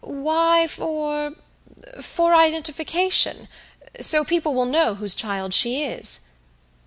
"Why for for identification so people will know whose child she is."